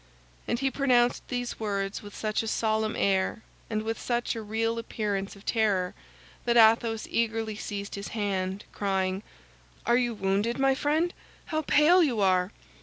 And he pronounced these words with such a solemn air and with such a real appearance of terror, that Athos eagerly seized his hand, crying, "Are you wounded, my friend? How pale you are!"